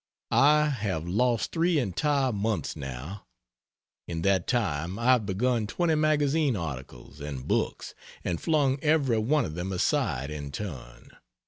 I have lost three entire months now. In that time I have begun twenty magazine articles and books and flung every one of them aside in turn.